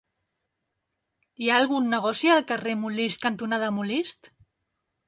Hi ha algun negoci al carrer Molist cantonada Molist?